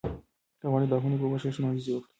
که غواړې ګناهونه دې وبخښل شي نو عاجزي وکړه.